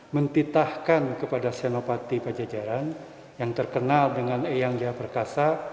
mentitahkan kepada senopati pajajaran yang terkenal dengan eyang jaya perkasa